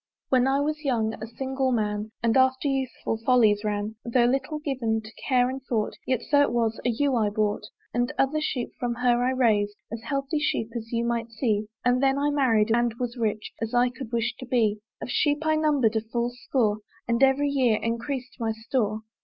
When I was young, a single man, And after youthful follies ran, Though little given to care and thought, Yet, so it was, a ewe I bought; And other sheep from her I raised, As healthy sheep as you might see, And then I married, and was rich As I could wish to be; Of sheep I number'd a full score, And every year encreas'd my store.